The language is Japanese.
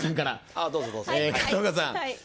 片岡さん